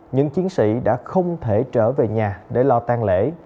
những chiến sĩ đã không thể trở về nhà để lo tan lễ